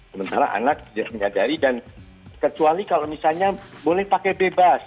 sementara anak tidak menyadari dan kecuali kalau misalnya boleh pakai bebas